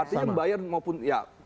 artinya membayar maupun ya